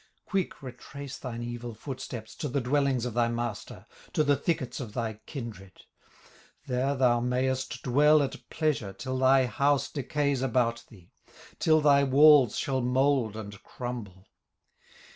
Quick retrace thine evil footsteps To the dwellings of thy master, To the thickets of thy kindred; There thou mayest dwell at pleasure, Till thy house decays about thee, Till thy walls shall mould and crumble.